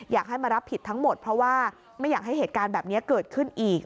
อยากให้มารับผิดทั้งหมดเพราะว่าไม่อยากให้เหตุการณ์แบบนี้เกิดขึ้นอีก